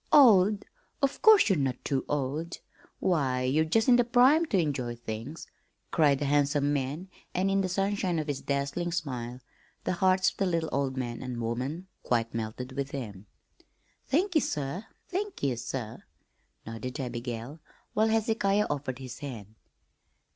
"Old? Of course you're not too old! Why, you're just in the prime to enjoy things," cried the handsome man, and in the sunshine of his dazzling smile the hearts of the little old man and woman quite melted within them. "Thank ye, sir, thank ye sir," nodded Abigail, while Hezekiah offered his hand.